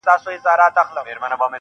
هغي نجلۍ چي زما له روحه به یې ساه شړله.